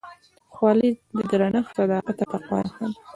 خولۍ د درنښت، صداقت او تقوا نښه ده.